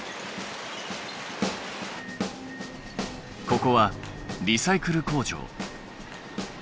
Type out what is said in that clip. ここはリサイクル工場。